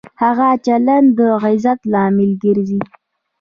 ښه چلند د عزت لامل ګرځي.